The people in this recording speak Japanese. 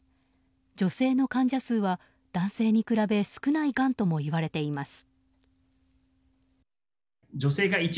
女性の患者数は男性に比べ少ないがんとも言われています。